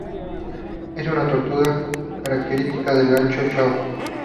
Es una tortuga característica del Gran Chaco.